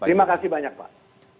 terima kasih banyak pak